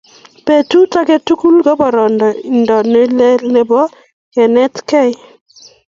Petut age tugul ko boroindo ne lel nebo kenetkei